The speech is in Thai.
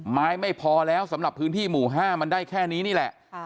ไม่พอแล้วสำหรับพื้นที่หมู่๕มันได้แค่นี้นี่แหละ